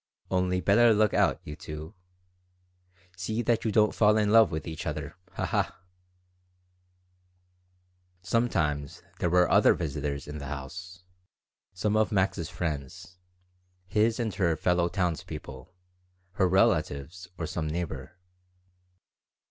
Only better look out, you two. See that you don't fall in love with each other. Ha, ha!" Sometimes there were other visitors in the house some of Max's friends, his and her fellow townspeople, her relatives, or some neighbor.